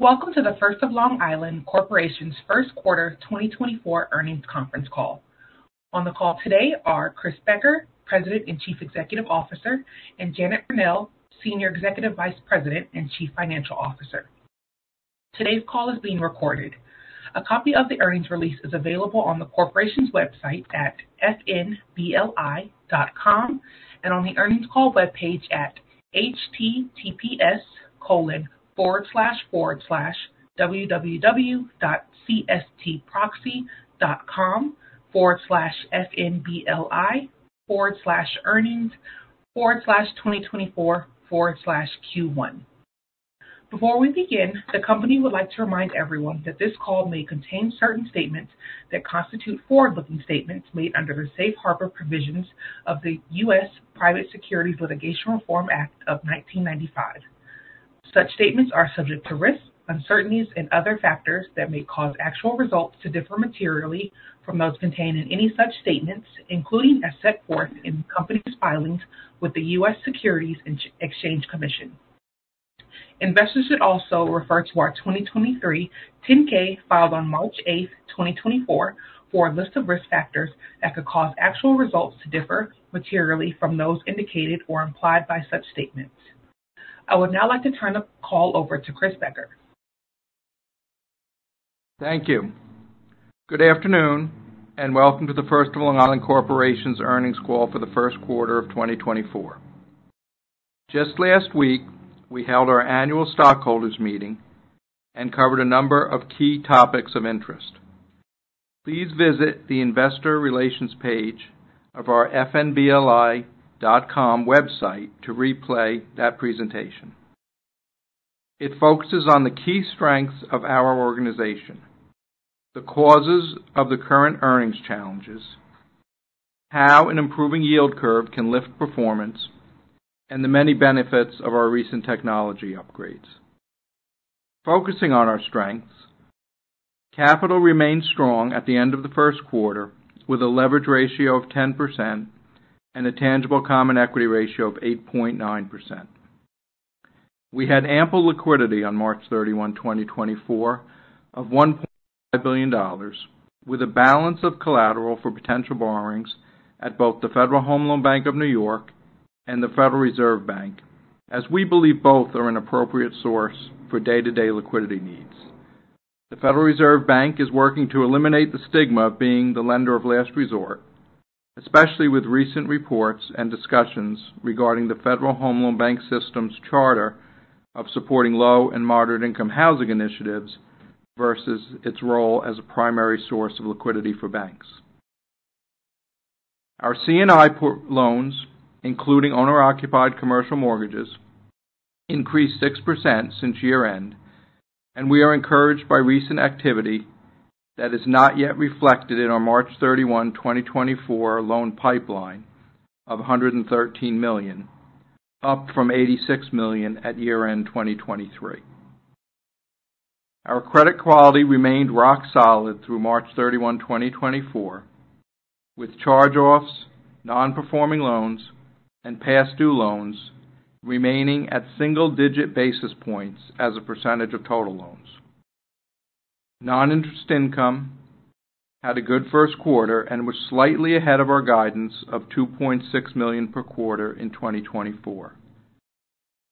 Welcome to The First of Long Island Corporation's First Quarter 2024 Earnings Conference Call. On the call today are Chris Becker, President and Chief Executive Officer, and Janet Verneuille, Senior Executive Vice President and Chief Financial Officer. Today's call is being recorded. A copy of the earnings release is available on the corporation's website at fnbli.com, and on the earnings call webpage at https://www.cstproxy.com/fnbli/earnings/2024/Q1. Before we begin, the company would like to remind everyone that this call may contain certain statements that constitute forward-looking statements made under the Safe Harbor Provisions of the U.S. Private Securities Litigation Reform Act of 1995. Such statements are subject to risks, uncertainties and other factors that may cause actual results to differ materially from those contained in any such statements, including as set forth in the company's filings with the U.S. Securities and Exchange Commission. Investors should also refer to our 2023 10-K, filed on March 8th, 2024, for a list of risk factors that could cause actual results to differ materially from those indicated or implied by such statements. I would now like to turn the call over to Chris Becker. Thank you. Good afternoon, and welcome to The First of Long Island Corporation's earnings call for the first quarter of 2024. Just last week, we held our annual stockholders meeting and covered a number of key topics of interest. Please visit the investor relations page of our fnbli.com website to replay that presentation. It focuses on the key strengths of our organization, the causes of the current earnings challenges, how an improving yield curve can lift performance, and the many benefits of our recent technology upgrades. Focusing on our strengths, capital remained strong at the end of the first quarter, with a leverage ratio of 10% and a tangible common equity ratio of 8.9%. We had ample liquidity on March 31st, 2024, of $1.5 billion, with a balance of collateral for potential borrowings at both the Federal Home Loan Bank of New York and the Federal Reserve Bank, as we believe both are an appropriate source for day-to-day liquidity needs. The Federal Reserve Bank is working to eliminate the stigma of being the lender of last resort, especially with recent reports and discussions regarding the Federal Home Loan Bank System's charter of supporting low and moderate-income housing initiatives versus its role as a primary source of liquidity for banks. Our C&I portfolio loans, including owner-occupied commercial mortgages, increased 6% since year-end, and we are encouraged by recent activity that is not yet reflected in our March 31st, 2024 loan pipeline of $113 million, up from $86 million at year-end 2023. Our credit quality remained rock solid through March 31st, 2024, with charge-offs, non-performing loans, and past due loans remaining at single-digit basis points as a percentage of total loans. Non-interest income had a good first quarter and was slightly ahead of our guidance of $2.6 million per quarter in 2024.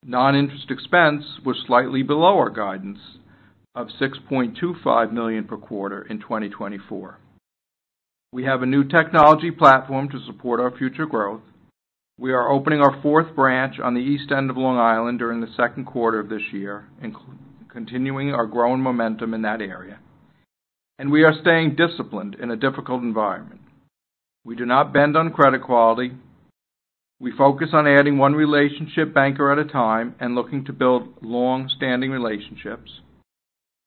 Non-interest expense was slightly below our guidance of $6.25 million per quarter in 2024. We have a new technology platform to support our future growth. We are opening our fourth branch on the East End of Long Island during the second quarter of this year, and continuing our growing momentum in that area, and we are staying disciplined in a difficult environment. We do not bend on credit quality. We focus on adding one relationship banker at a time and looking to build long-standing relationships.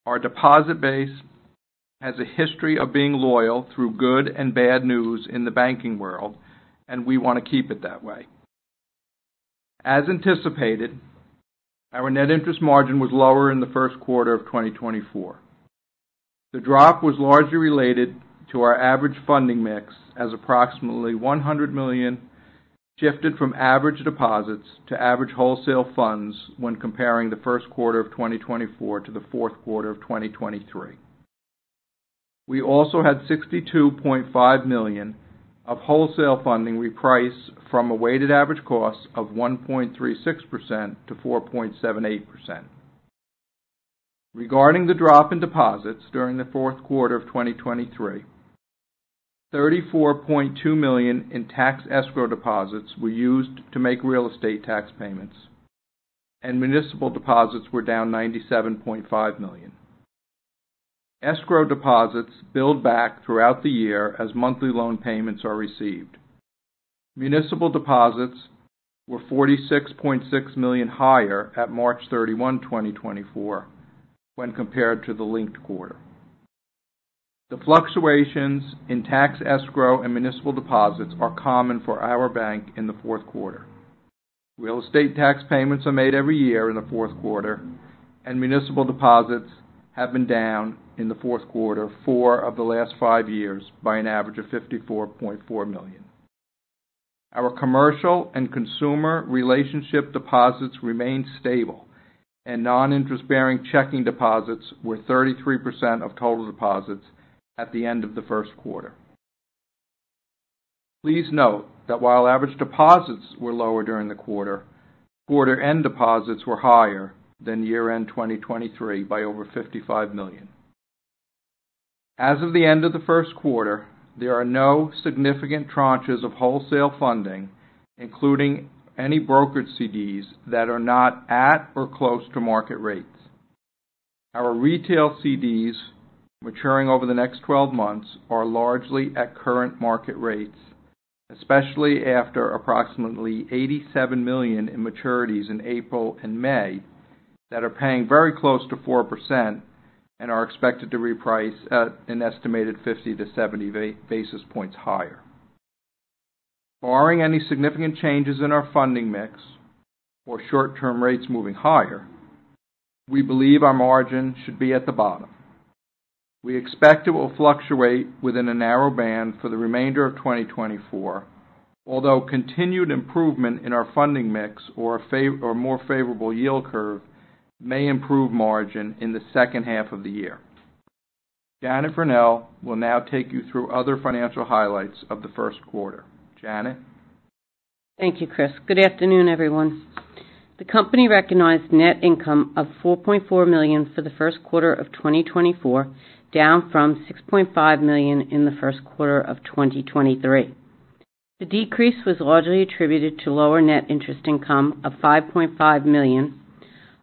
Our deposit base has a history of being loyal through good and bad news in the banking world, and we want to keep it that way. As anticipated, our net interest margin was lower in the first quarter of 2024. The drop was largely related to our average funding mix, as approximately $100 million shifted from average deposits to average wholesale funds when comparing the first quarter of 2024 to the fourth quarter of 2023. We also had $62.5 million of wholesale funding reprice from a weighted average cost of 1.36% to 4.78%. Regarding the drop in deposits during the fourth quarter of 2023, $34.2 million in tax escrow deposits were used to make real estate tax payments, and municipal deposits were down $97.5 million. Escrow deposits build back throughout the year as monthly loan payments are received. Municipal deposits were $46.6 million higher at March 31st, 2024, when compared to the linked quarter. The fluctuations in tax escrow and municipal deposits are common for our bank in the fourth quarter. Real estate tax payments are made every year in the fourth quarter, and municipal deposits have been down in the fourth quarter, four of the last five years by an average of $54.4 million. Our commercial and consumer relationship deposits remained stable, and non-interest-bearing checking deposits were 33% of total deposits at the end of the first quarter. Please note that while average deposits were lower during the quarter, quarter-end deposits were higher than year-end 2023 by over $55 million. As of the end of the first quarter, there are no significant tranches of wholesale funding, including any brokered CDs, that are not at or close to market rates. Our retail CDs maturing over the next 12 months are largely at current market rates, especially after approximately $87 million in maturities in April and May, that are paying very close to 4% and are expected to reprice at an estimated 50-70 basis points higher. Barring any significant changes in our funding mix or short-term rates moving higher, we believe our margin should be at the bottom. We expect it will fluctuate within a narrow band for the remainder of 2024, although continued improvement in our funding mix or more favorable yield curve may improve margin in the second half of the year. Janet Verneuille will now take you through other financial highlights of the first quarter. Janet? Thank you, Chris. Good afternoon, everyone. The company recognized net income of $4.4 million for the first quarter of 2024, down from $6.5 million in the first quarter of 2023. The decrease was largely attributed to lower net interest income of $5.5 million,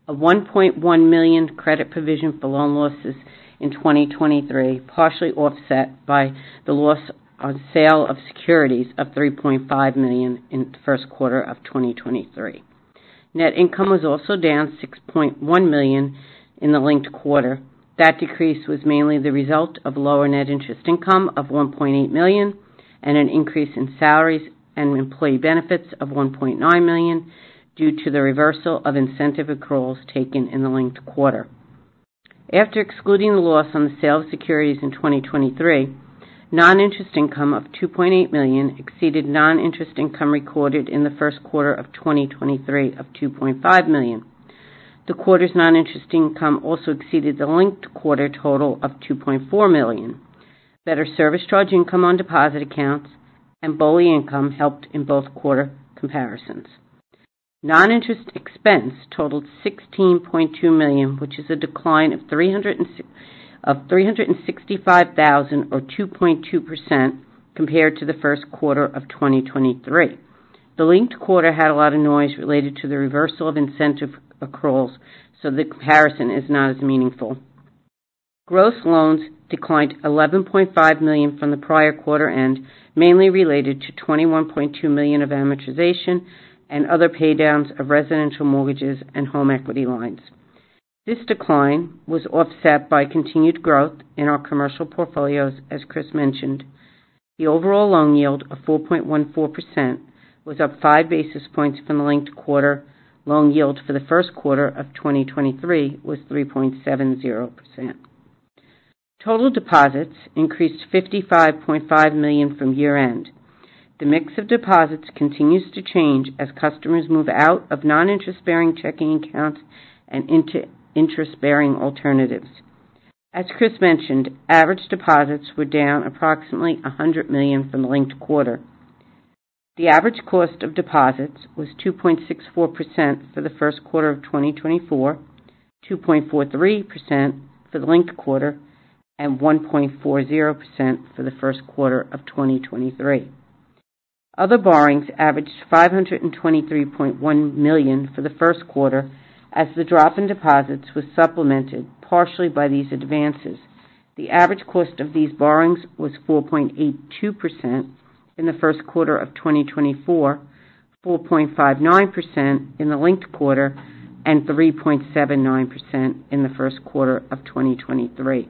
a $1.1 million credit provision for loan losses in 2023, partially offset by the loss on sale of securities of $3.5 million in the first quarter of 2023. Net income was also down $6.1 million in the linked quarter. That decrease was mainly the result of lower net interest income of $1.8 million, and an increase in salaries and employee benefits of $1.9 million due to the reversal of incentive accruals taken in the linked quarter. After excluding the loss on the sale of securities in 2023, non-interest income of $2.8 million exceeded non-interest income recorded in the first quarter of 2023 of $2.5 million. The quarter's non-interest income also exceeded the linked quarter total of $2.4 million. Better service charge income on deposit accounts and BOLI income helped in both quarter comparisons. Non-interest expense totaled $16.2 million, which is a decline of $365,000, or 2.2%, compared to the first quarter of 2023. The linked quarter had a lot of noise related to the reversal of incentive accruals, so the comparison is not as meaningful. Gross loans declined $11.5 million from the prior quarter end, mainly related to $21.2 million of amortization and other paydowns of residential mortgages and home equity lines. This decline was offset by continued growth in our commercial portfolios, as Chris mentioned. The overall loan yield of 4.14% was up five basis points from the linked quarter. Loan yield for the first quarter of 2023 was 3.70%. Total deposits increased $55.5 million from year-end. The mix of deposits continues to change as customers move out of non-interest-bearing checking accounts and into interest-bearing alternatives. As Chris mentioned, average deposits were down approximately $100 million from the linked quarter. The average cost of deposits was 2.64% for the first quarter of 2024, 2.43% for the linked quarter, and 1.40% for the first quarter of 2023. Other borrowings averaged $523.1 million for the first quarter, as the drop in deposits was supplemented partially by these advances. The average cost of these borrowings was 4.82% in the first quarter of 2024, 4.59% in the linked quarter, and 3.79% in the first quarter of 2023.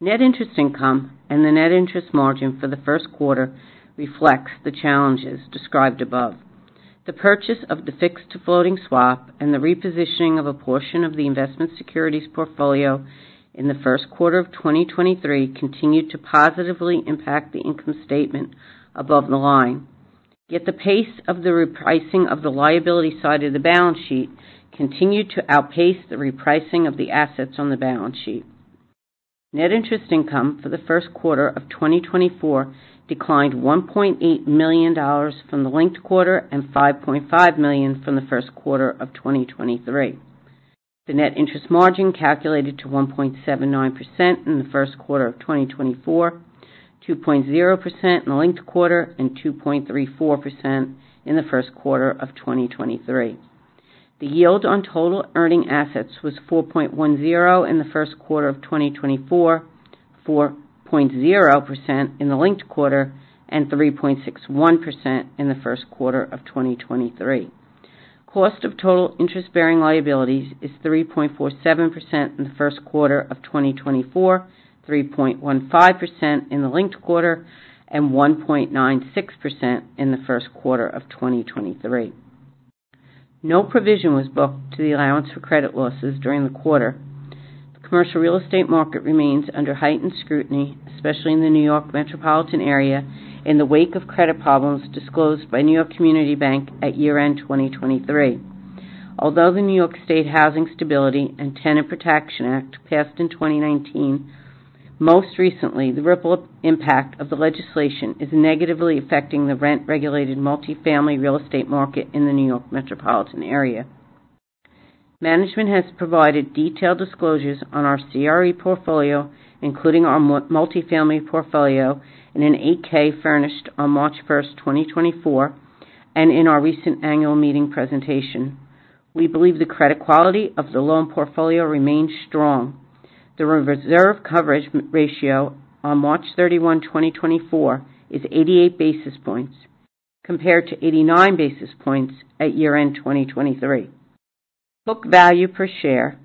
Net interest income and the net interest margin for the first quarter reflects the challenges described above. The purchase of the fixed-to-floating swap and the repositioning of a portion of the investment securities portfolio in the first quarter of 2023 continued to positively impact the income statement above the line. Yet the pace of the repricing of the liability side of the balance sheet continued to outpace the repricing of the assets on the balance sheet. Net interest income for the first quarter of 2024 declined $1.8 million from the linked quarter, and $5.5 million from the first quarter of 2023. The net interest margin calculated to 1.79% in the first quarter of 2024, 2.0% in the linked quarter, and 2.34% in the first quarter of 2023. The yield on total earning assets was 4.10% in the first quarter of 2024, 4.0% in the linked quarter, and 3.61% in the first quarter of 2023. Cost of total interest-bearing liabilities is 3.47% in the first quarter of 2024, 3.15% in the linked quarter, and 1.96% in the first quarter of 2023. No provision was booked to the allowance for credit losses during the quarter. The commercial real estate market remains under heightened scrutiny, especially in the New York metropolitan area, in the wake of credit problems disclosed by New York Community Bank at year-end 2023. Although the New York State Housing Stability and Tenant Protection Act passed in 2019, most recently, the ripple impact of the legislation is negatively affecting the rent-regulated multifamily real estate market in the New York metropolitan area. Management has provided detailed disclosures on our CRE portfolio, including our multifamily portfolio, in an 8-K furnished on March 1st, 2024, and in our recent annual meeting presentation. We believe the credit quality of the loan portfolio remains strong. The reserve coverage ratio on March 31, 2024, is 88 basis points, compared to 89 basis points at year-end 2023. Book value per share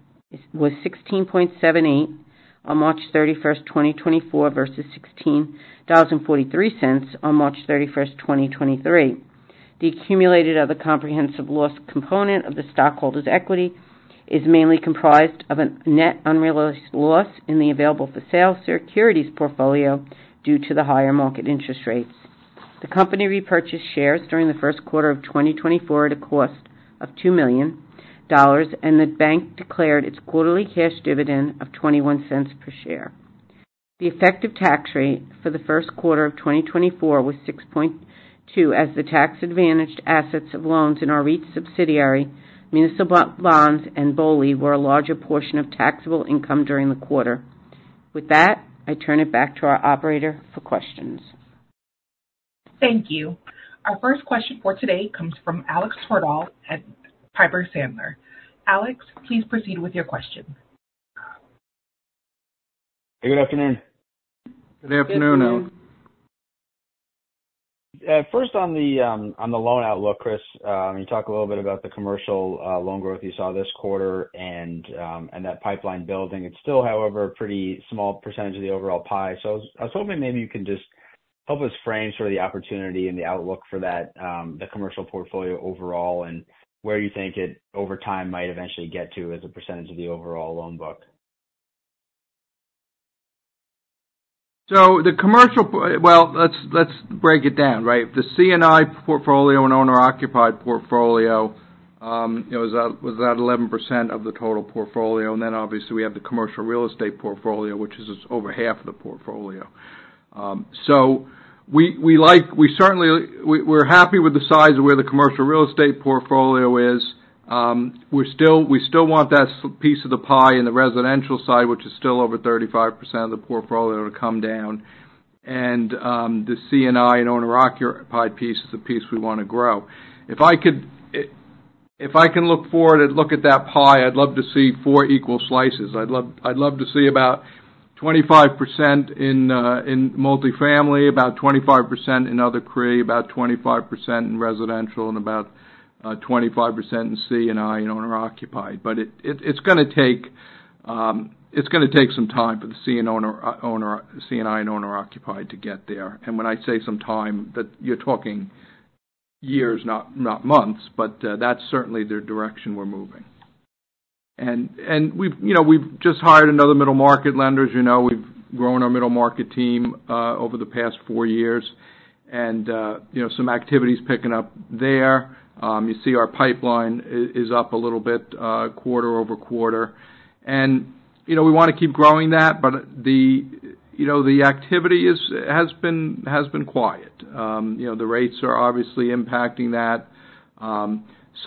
was $16.78 on March 31st, 2024, versus $16.043 on March 31st, 2023. The accumulated other comprehensive loss component of the stockholders' equity is mainly comprised of a net unrealized loss in the available-for-sale securities portfolio due to the higher market interest rates. The company repurchased shares during the first quarter of 2024 at a cost of $2 million, and the bank declared its quarterly cash dividend of $0.21 per share. The effective tax rate for the first quarter of 2024 was 6.2%, as the tax-advantaged assets of loans in our REIT subsidiary, municipal bonds and BOLI, were a larger portion of taxable income during the quarter. With that, I turn it back to our operator for questions. Thank you. Our first question for today comes from Alex Twerdahl at Piper Sandler. Alex, please proceed with your question. Good afternoon. Good afternoon, Alex. First on the loan outlook, Chris, I mean, you talked a little bit about the commercial loan growth you saw this quarter and that pipeline building. It's still, however, a pretty small percentage of the overall pie. So I was hoping maybe you can just help us frame sort of the opportunity and the outlook for that, the commercial portfolio overall, and where you think it, over time, might eventually get to as a percentage of the overall loan book. Well, let's break it down, right? The C&I portfolio and owner-occupied portfolio, you know, is at, was at 11% of the total portfolio. And then obviously we have the commercial real estate portfolio, which is over half of the portfolio. So we like, we certainly, we're happy with the size of where the commercial real estate portfolio is. We still want that piece of the pie in the residential side, which is still over 35% of the portfolio, to come down. The C&I and owner-occupied piece is the piece we want to grow. If I could look forward and look at that pie, I'd love to see four equal slices. I'd love to see about 25% in multifamily, about 25% in other CRE, about 25% in residential, and about 25% in C&I and owner-occupied. But it's gonna take some time for the C&I and owner-occupied to get there. And when I say some time, that you're talking years, not months. But that's certainly the direction we're moving. And we've, you know, we've just hired another middle market lender. As you know, we've grown our middle market team over the past four years. And you know, some activity is picking up there. You see our pipeline is up a little bit quarter-over-quarter. And you know, we want to keep growing that, but you know, the activity has been quiet. You know, the rates are obviously impacting that.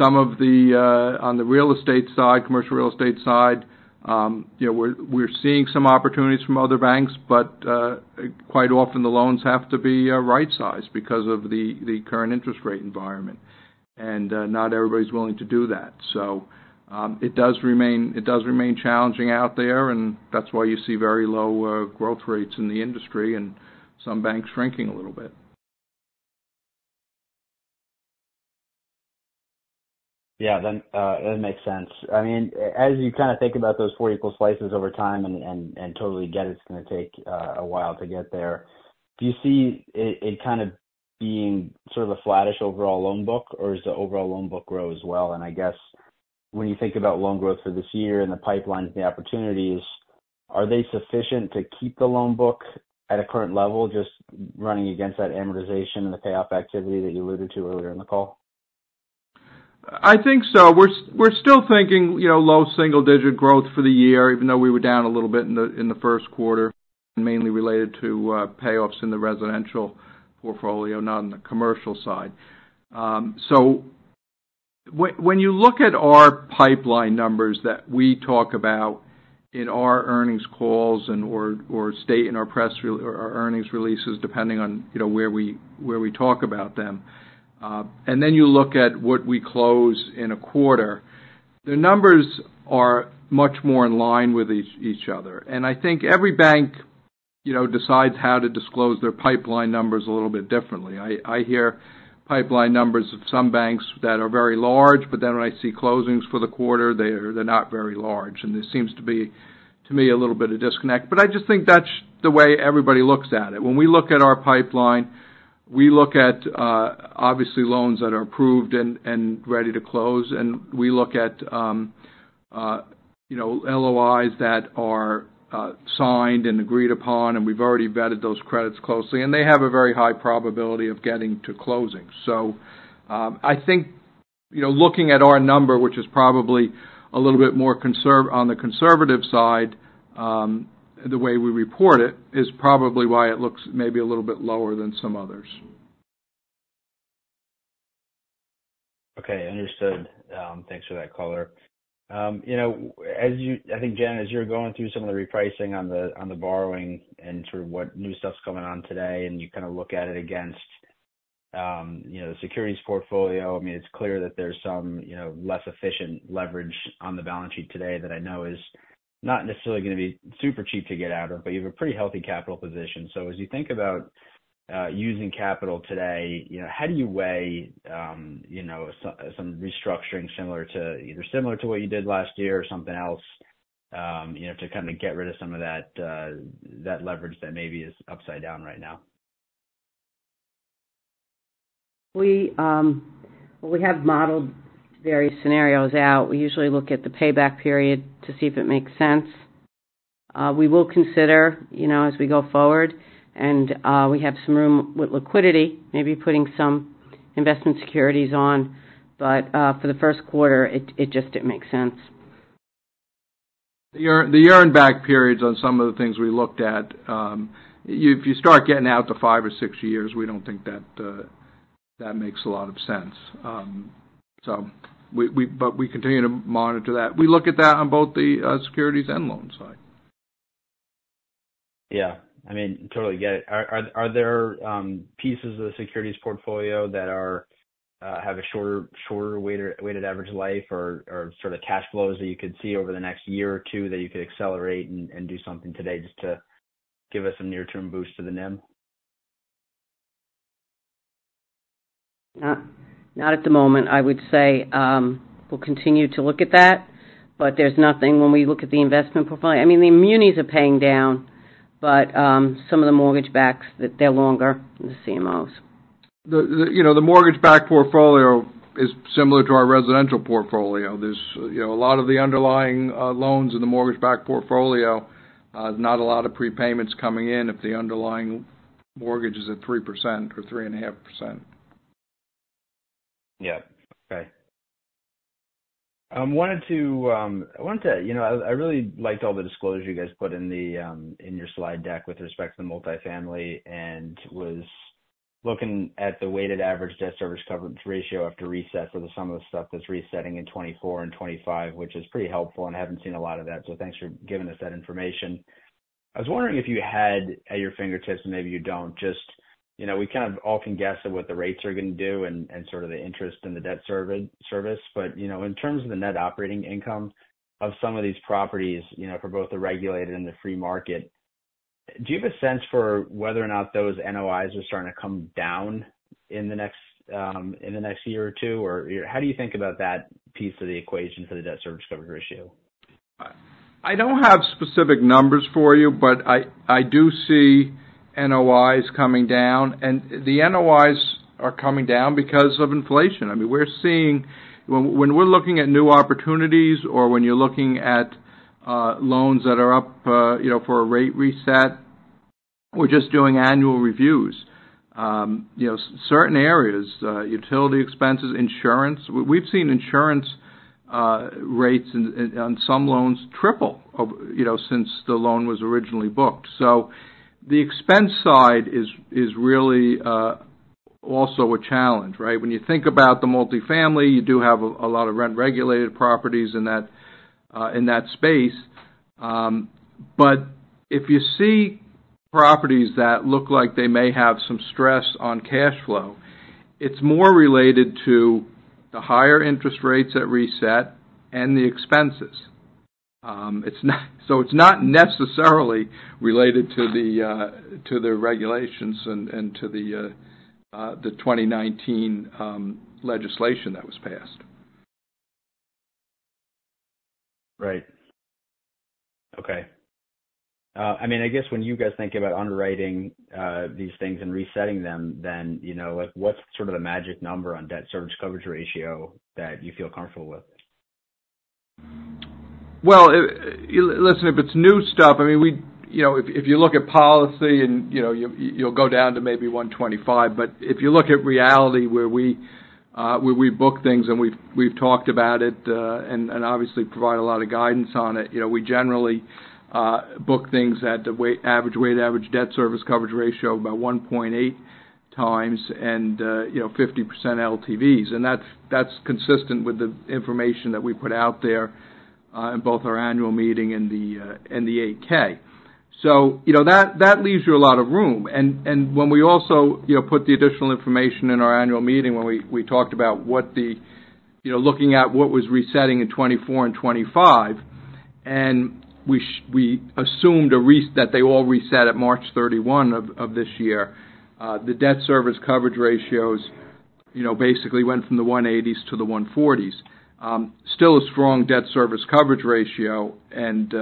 Some of the, on the real estate side, commercial real estate side, you know, we're seeing some opportunities from other banks, but quite often the loans have to be right-sized because of the current interest rate environment. And not everybody's willing to do that. So, it does remain challenging out there, and that's why you see very low growth rates in the industry and some banks shrinking a little bit. Yeah, that makes sense. I mean, as you kind of think about those four equal slices over time, and totally get it, it's gonna take a while to get there. Do you see it kind of being sort of a flattish overall loan book, or does the overall loan book grow as well? And I guess, when you think about loan growth for this year and the pipelines and the opportunities, are they sufficient to keep the loan book at a current level, just running against that amortization and the payoff activity that you alluded to earlier in the call? I think so. We're still thinking, you know, low single digit growth for the year, even though we were down a little bit in the first quarter, mainly related to payoffs in the residential portfolio, not on the commercial side. So when you look at our pipeline numbers that we talk about in our earnings calls and or state in our press release or our earnings releases, depending on, you know, where we talk about them, and then you look at what we close in a quarter, the numbers are much more in line with each other. I think every bank, you know, decides how to disclose their pipeline numbers a little bit differently. I hear pipeline numbers of some banks that are very large, but then when I see closings for the quarter, they're not very large. And there seems to be, to me, a little bit of disconnect. But I just think that's the way everybody looks at it. When we look at our pipeline, we look at obviously, loans that are approved and ready to close, and we look at you know, LOIs that are signed and agreed upon, and we've already vetted those credits closely, and they have a very high probability of getting to closing. So, I think, you know, looking at our number, which is probably a little bit more conservative on the conservative side, the way we report it, is probably why it looks maybe a little bit lower than some others. Okay, understood. Thanks for that color. You know, as you-- I think, Jan, as you're going through some of the repricing on the, on the borrowing and sort of what new stuff's coming on today, and you kind of look at it against, you know, the securities portfolio, I mean, it's clear that there's some, you know, less efficient leverage on the balance sheet today that I know is not necessarily gonna be super cheap to get out of, but you have a pretty healthy capital position. So as you think about using capital today, you know, how do you weigh, you know, some restructuring similar to, either similar to what you did last year or something else, you know, to kind of get rid of some of that, that leverage that maybe is upside down right now? We, well, we have modeled various scenarios out. We usually look at the payback period to see if it makes sense. We will consider, you know, as we go forward, and we have some room with liquidity, maybe putting some investment securities on. But for the first quarter, it just didn't make sense. The earn back periods on some of the things we looked at, if you start getting out to five or six years, we don't think that that makes a lot of sense. So but we continue to monitor that. We look at that on both the securities and loan side. Yeah. I mean, totally get it. Are there pieces of the securities portfolio that have a shorter weighted average life or sort of cash flows that you could see over the next year or two, that you could accelerate and do something today just to give us some near-term boost to the NIM? Not, not at the moment. I would say, we'll continue to look at that, but there's nothing when we look at the investment portfolio. I mean, the munis are paying down, but, some of the mortgage backs, they're longer than the CMOs. You know, the mortgage-backed portfolio is similar to our residential portfolio. There's, you know, a lot of the underlying loans in the mortgage-backed portfolio, not a lot of prepayments coming in if the underlying mortgage is at 3% or 3.5%. Yeah. Okay. I wanted to, you know, I really liked all the disclosure you guys put in the in your slide deck with respect to the multifamily, and was looking at the weighted average debt service coverage ratio after reset for some of the stuff that's resetting in 2024 and 2025, which is pretty helpful, and I haven't seen a lot of that. So thanks for giving us that information. I was wondering if you had at your fingertips, and maybe you don't, just, you know, we kind of all can guess at what the rates are gonna do and sort of the interest in the debt service. But, you know, in terms of the net operating income of some of these properties, you know, for both the regulated and the free market, do you have a sense for whether or not those NOIs are starting to come down in the next year or two? Or how do you think about that piece of the equation for the debt service coverage ratio? I don't have specific numbers for you, but I do see NOIs coming down, and the NOIs are coming down because of inflation. I mean, we're seeing. When we're looking at new opportunities or when you're looking at loans that are up, you know, for a rate reset, we're just doing annual reviews. You know, certain areas, utility expenses, insurance. We've seen insurance rates on some loans tripled, you know, since the loan was originally booked. So the expense side is really also a challenge, right? When you think about the multifamily, you do have a lot of rent-regulated properties in that space. But if you see properties that look like they may have some stress on cash flow, it's more related to the higher interest rates at reset and the expenses. It's not so it's not necessarily related to the regulations and to the 2019 legislation that was passed. Right. Okay. I mean, I guess when you guys think about underwriting, these things and resetting them, then, you know, like, what's sort of the magic number on debt service coverage ratio that you feel comfortable with? Well, listen, if it's new stuff, I mean, we. You know, if you look at policy and, you know, you'll go down to maybe 1.25, but if you look at reality, where we book things, and we've talked about it, and obviously provide a lot of guidance on it, you know, we generally book things at the weighted average debt service coverage ratio about 1.8 times and, you know, 50% LTVs. And that's consistent with the information that we put out there in both our annual meeting and the 8-K. So, you know, that leaves you a lot of room. When we also, you know, put the additional information in our annual meeting, when we talked about what the you know, looking at what was resetting in 2024 and 2025, and we assumed that they all reset at March 31st of this year, the debt service coverage ratios you know, basically went from the 1.8s to the 1.4s. Still a strong debt service coverage ratio and,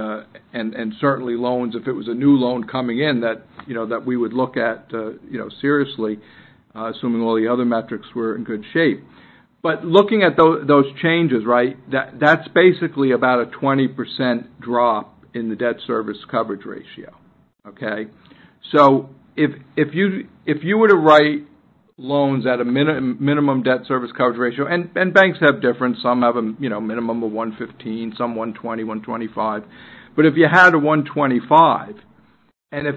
and certainly loans, if it was a new loan coming in that, you know, that we would look at, you know, seriously, assuming all the other metrics were in good shape. But looking at those changes, right, that's basically about a 20% drop in the debt service coverage ratio, okay? So if you were to write loans at a minimum debt service coverage ratio, and banks have different, some have, you know, a minimum of 1.15%, some 1.20%, 1.25%. But if you had a 1.25%, and if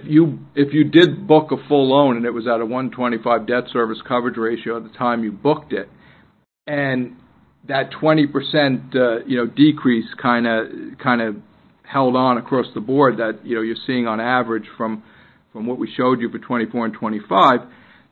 you did book a full loan, and it was at a 1.25% debt service coverage ratio at the time you booked it, and that 20%, you know, decrease kinda held on across the board, that, you know, you're seeing on average from what we showed you for 2024 and 2025,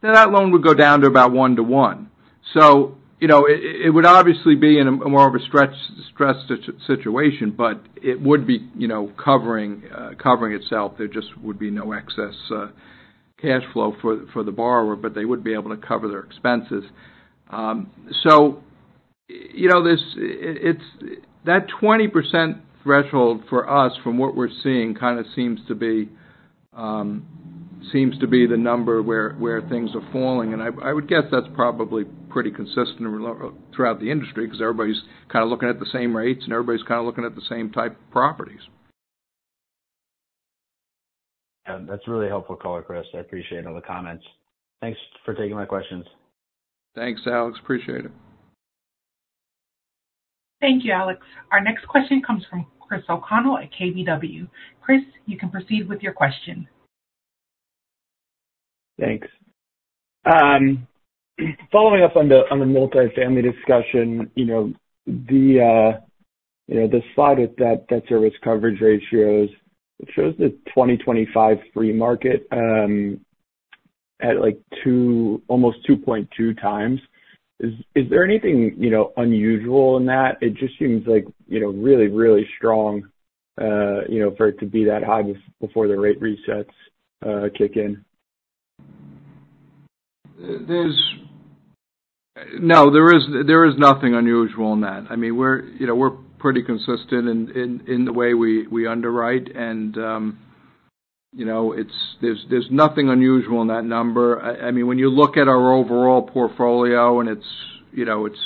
then that loan would go down to about one-to-one. So, you know, it would obviously be in a more of a stressed situation, but it would be, you know, covering itself. There just would be no excess cash flow for the borrower, but they would be able to cover their expenses. So, you know, it's that 20% threshold for us, from what we're seeing, kind of seems to be the number where things are falling. I would guess that's probably pretty consistent throughout the industry, because everybody's kind of looking at the same rates, and everybody's kind of looking at the same type of properties. That's a really helpful color, Chris. I appreciate all the comments. Thanks for taking my questions. Thanks, Alex. Appreciate it. Thank you, Alex. Our next question comes from Chris O'Connell at KBW. Chris, you can proceed with your question. Thanks. Following up on the multifamily discussion, you know, the slide with that debt service coverage ratios, it shows the 2025 free market at, like, almost 2.2 times. Is there anything unusual in that? It just seems like, you know, really, really strong for it to be that high before the rate resets kick in. There is nothing unusual in that. I mean, we're, you know, we're pretty consistent in the way we underwrite, and, you know, it's, there's nothing unusual in that number. I mean, when you look at our overall portfolio and it's, you know, it's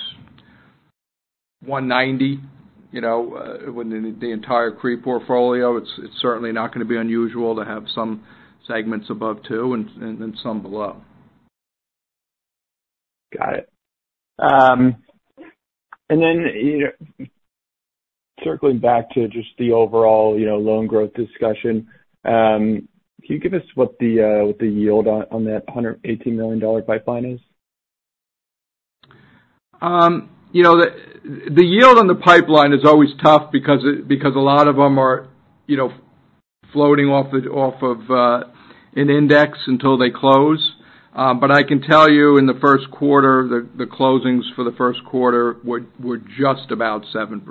190, you know, when the entire CRE portfolio, it's certainly not gonna be unusual to have some segments above two and some below. Got it. And then, you know, circling back to just the overall, you know, loan growth discussion, can you give us what the yield on that $118 million pipeline is? You know, the yield on the pipeline is always tough because a lot of them are, you know, floating off of an index until they close. But I can tell you in the first quarter, the closings for the first quarter were just about 7%,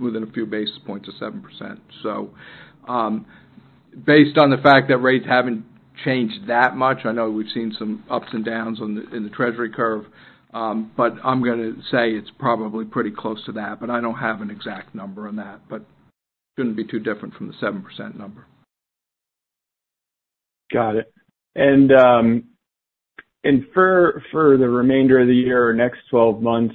within a few basis points of 7%. So, based on the fact that rates haven't changed that much, I know we've seen some ups and downs in the Treasury curve, but I'm gonna say it's probably pretty close to that. But I don't have an exact number on that, but shouldn't be too different from the 7% number. Got it. And for the remainder of the year or next 12 months,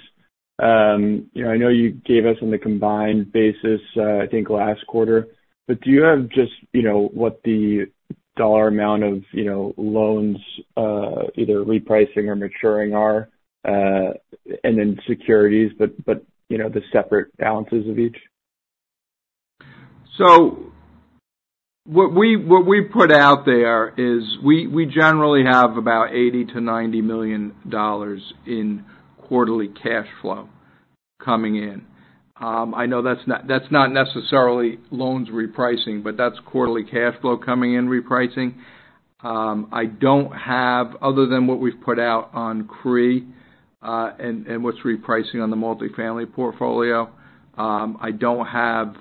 you know, I know you gave us on the combined basis, I think last quarter. But do you have just, you know, what the dollar amount of, you know, loans, either repricing or maturing are, and then securities, but, you know, the separate balances of each? So what we put out there is we generally have about $80 million-$90 million in quarterly cash flow coming in. I know that's not necessarily loans repricing, but that's quarterly cash flow coming in repricing. I don't have, other than what we've put out on CRE, and what's repricing on the multifamily portfolio, I don't have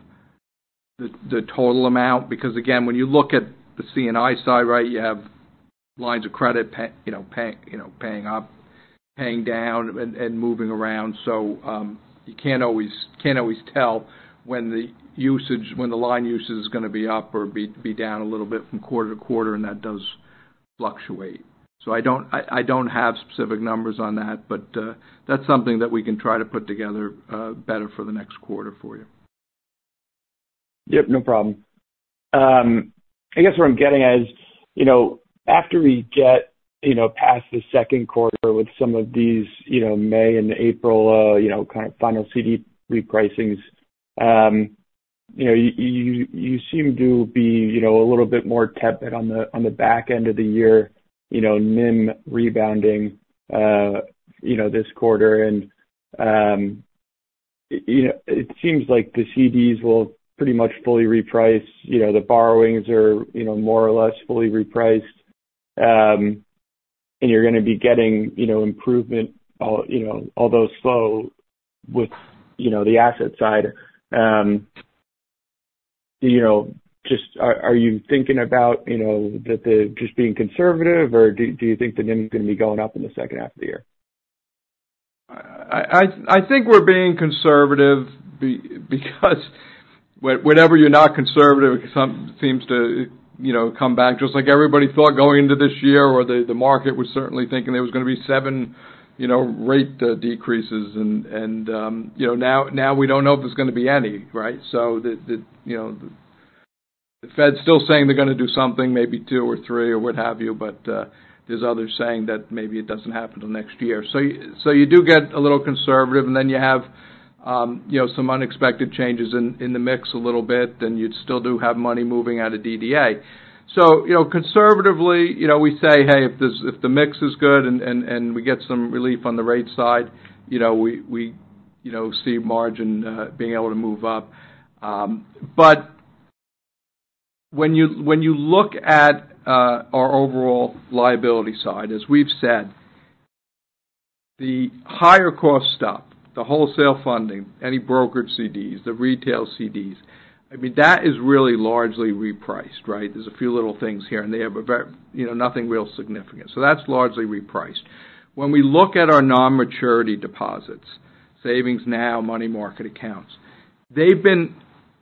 the total amount, because again, when you look at the C&I side, right, you have lines of credit you know, paying up, paying down and moving around. So, you can't always tell when the usage, when the line usage is gonna be up or be down a little bit from quarter to quarter, and that does fluctuate. So I don't have specific numbers on that, but that's something that we can try to put together better for the next quarter for you. Yep, no problem. I guess what I'm getting at is, you know, after we get, you know, past the second quarter with some of these, you know, May and April, you know, kind of final CD re-pricings, you know, you seem to be, you know, a little bit more tepid on the back end of the year, you know, NIM rebounding, you know, this quarter. It seems like the CDs will pretty much fully reprice. You know, the borrowings are, you know, more or less fully repriced. You're gonna be getting, you know, improvement, you know, although slow, with, you know, the asset side. You know, just, are you thinking about, you know, that just being conservative, or do you think the NIM's going to be going up in the second half of the year? I think we're being conservative because whenever you're not conservative, something seems to, you know, come back. Just like everybody thought going into this year, or the market was certainly thinking there was going to be seven, you know, rate decreases. And, you know, now we don't know if there's going to be any, right? So, you know, the Fed's still saying they're going to do something, maybe two or three or what have you, but there's others saying that maybe it doesn't happen till next year. So you do get a little conservative, and then you have, you know, some unexpected changes in the mix a little bit, then you'd still do have money moving out of DDA. So, you know, conservatively, you know, we say, hey, if this, if the mix is good and we get some relief on the rate side, you know, we see margin being able to move up. But when you look at our overall liability side, as we've said, the higher cost stuff, the wholesale funding, any brokered CDs, the retail CDs, I mean, that is really largely repriced, right? There's a few little things here, and they have a very, you know, nothing real significant. So that's largely repriced. When we look at our non-maturity deposits, savings now, money market accounts, they've been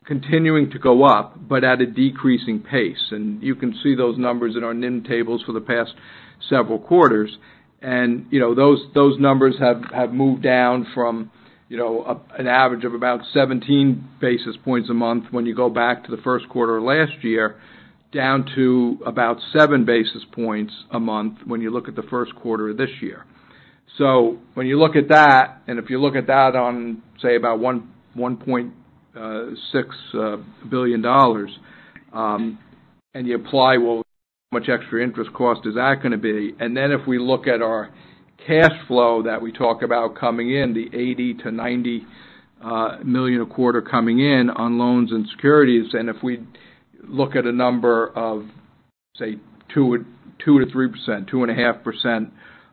continuing to go up but at a decreasing pace. And you can see those numbers in our NIM tables for the past several quarters. You know, those numbers have moved down from an average of about 17 basis points a month when you go back to the first quarter of last year, down to about 7 basis points a month when you look at the first quarter of this year. So when you look at that, and if you look at that on, say, about $1.6 billion, and you apply, well, how much extra interest cost is that going to be? And then if we look at our cash flow that we talk about coming in, the $80 million-$90 million a quarter coming in on loans and securities, and if we look at a number of, say, 2%-3%, 2.5%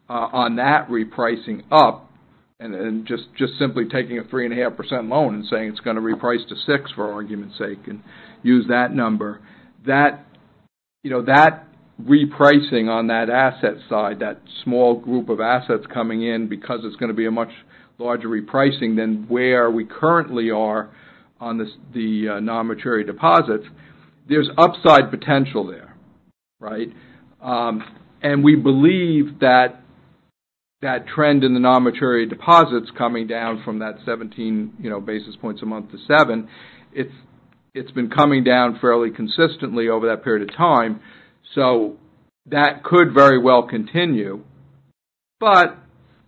on that repricing up and just simply taking a 3.5% loan and saying it's going to reprice to 6%, for argument's sake, and use that number, you know, that repricing on that asset side, that small group of assets coming in because it's going to be a much larger repricing than where we currently are on this, the non-maturity deposits, there's upside potential there, right? And we believe that that trend in the non-maturity deposits coming down from that 17, you know, basis points a month to 7, it's been coming down fairly consistently over that period of time, so that could very well continue. But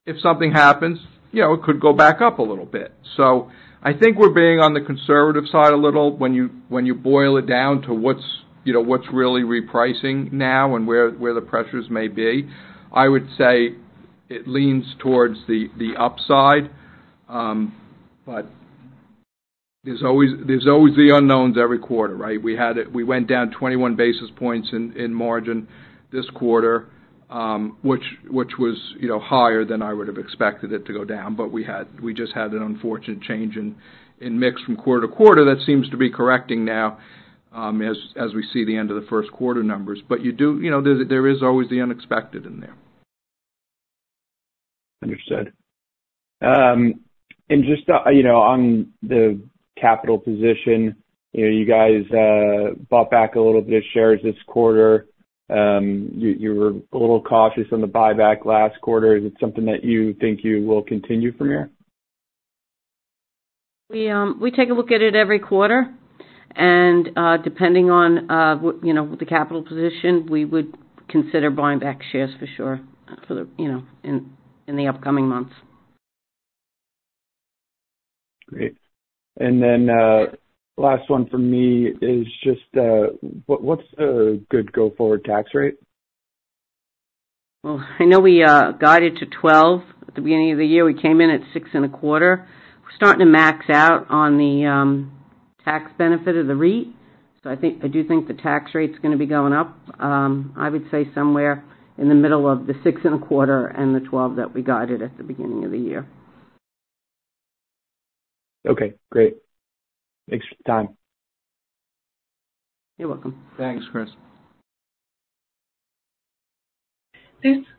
if something happens, you know, it could go back up a little bit. So I think we're being on the conservative side a little. When you boil it down to what's, you know, what's really repricing now and where the pressures may be, I would say it leans towards the upside. But there's always the unknowns every quarter, right? We went down 21 basis points in margin this quarter, which was, you know, higher than I would have expected it to go down. But we had, we just had an unfortunate change in mix from quarter to quarter. That seems to be correcting now, as we see the end of the first quarter numbers. But you do. You know, there is always the unexpected in there. Understood. And just, you know, on the capital position, you know, you guys bought back a little bit of shares this quarter. You were a little cautious on the buyback last quarter. Is it something that you think you will continue from here? We take a look at it every quarter, and depending on what, you know, the capital position, we would consider buying back shares for sure, for the, you know, in the upcoming months. Great. And then, last one for me is just, what, what's a good go-forward tax rate? Well, I know we guided to 12% at the beginning of the year. We came in at 6.25%. We're starting to max out on the tax benefit of the REIT. So I think, I do think the tax rate's going to be going up. I would say somewhere in the middle of the 6.25% and the 12% that we guided at the beginning of the year. Okay, great. Thanks for your time. You're welcome. Thanks, Chris.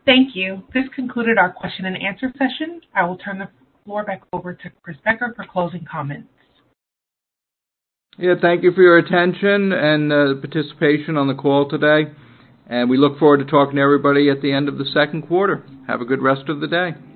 Thank you. This concluded our question and answer session. I will turn the floor back over to Chris Becker for closing comments. Yeah, thank you for your attention and, participation on the call today, and we look forward to talking to everybody at the end of the second quarter. Have a good rest of the day!